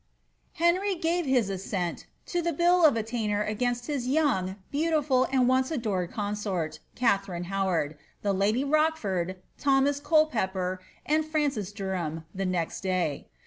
ienry gave his assent to the bill of attainder against his young, beau 1, and once adored consort, Katharine Howard, the lady Rochford, omas Culpepper, and Francis Derham, the next day.